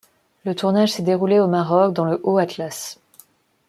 Le tournage s'est déroulé au Maroc, dans le Haut Atlas.